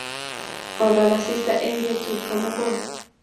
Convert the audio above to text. kolal asista eng' betut komugul